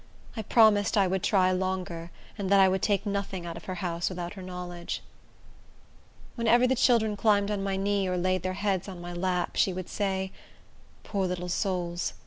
I promised that I would try longer, and that I would take nothing out of her house without her knowledge. Whenever the children climbed on my knee, or laid their heads on my lap, she would say, "Poor little souls!